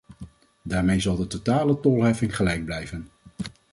Daarmee zal de totale tolheffing gelijk blijven.